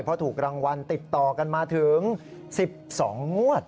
เพราะถูกรางวัลติดต่อกันมาถึง๑๒งวด